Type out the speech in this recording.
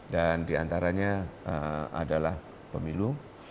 dan diantaranya adalah pemilu